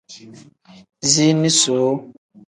Ziini suu.